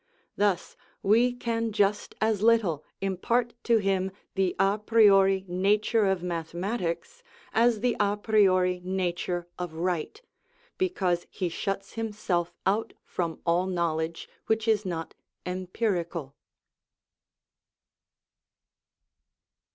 Thus we can just as little impart to him the a priori nature of mathematics as the a priori nature of right, because he shuts himself out from all knowledge which is not empirical.